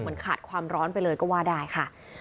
ขาดความร้อนไปเลยก็ว่าได้ค่ะ